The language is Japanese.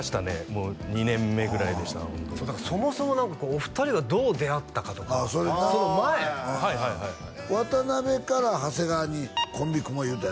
もう２年目ぐらいでしただからそもそも何かこうお二人がどう出会ったかとかああはいはいはい渡辺から長谷川にコンビ組もう言うたんよな？